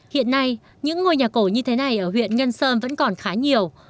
hiện nay những ngôi nhà cổ như thế này ở huyện ngân sơn vẫn còn khá nhiều